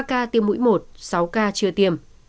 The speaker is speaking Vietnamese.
ba ca tiêm mũi một sáu ca chưa tiêm